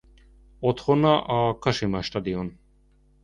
Otthona a Kasima Stadion.